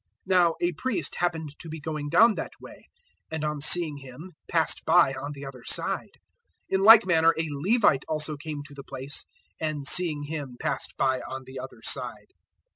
010:031 Now a priest happened to be going down that way, and on seeing him passed by on the other side. 010:032 In like manner a Levite also came to the place, and seeing him passed by on the other side.